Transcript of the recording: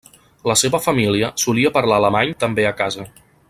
La seva família solia parlar alemany també a casa.